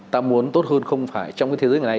ta muốn tốt hơn không phải trong cái thế giới này